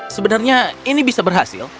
sebenarnya ini bisa berhasil